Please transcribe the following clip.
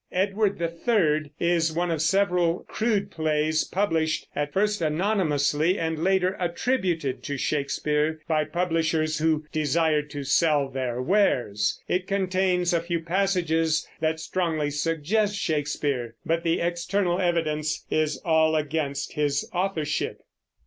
Edward III is one of several crude plays published at first anonymously and later attributed to Shakespeare by publishers who desired to sell their wares. It contains a few passages that strongly suggest Shakespeare; but the external evidence is all against his authorship.